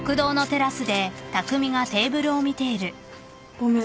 ごめん。